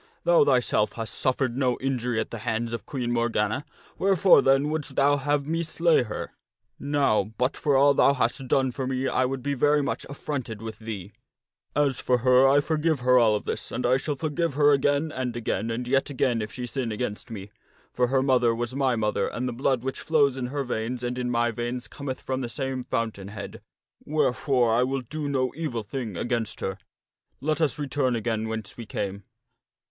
Thou thyself hast suffered no injury at the hands of Queen Morgana ; wherefore, then, wouldst thou have me slay her? Now, but for all thou hast done for me 1 j^ing Arthur would be very much affronted with thee. As for her, I forgive chideth n n her all of this, and I shall forgive her again and again and yet again if she sin against me. For her mother was my mother, and the blood which flows in her veins and in my veins cometh from the same fountain head, wherefore I will do no evil thing against her. Let us return again whence we came."